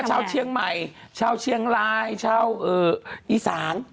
ชาวเชียงใหม่ชาวเชียงรายชาวอีสาน